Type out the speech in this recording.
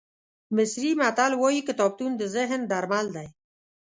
مصري متل وایي کتابتون د ذهن درمل دی.